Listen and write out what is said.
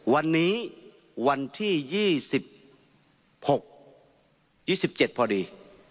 วันนี้วันที่ยี่สิบหกยี่สิบเจ็ดพอดี